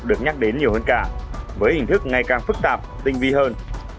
được nhắc đến nhiều hơn cả với hình thức ngày càng phức tạp tinh vi hơn